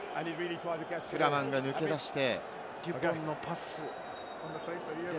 フラマンが抜け出して。